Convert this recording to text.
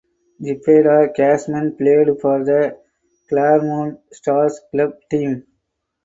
Zepeda Cashman played for the Claremont Stars club team.